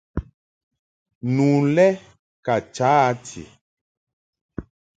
Nu lɛ ka cha a ti.